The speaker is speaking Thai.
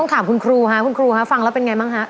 ถามคุณครูคะคุณครูคะฟังแล้วเป็นไงบ้างฮะ